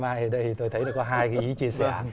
và lý chí mai ở đây tôi thấy có hai cái ý chia sẻ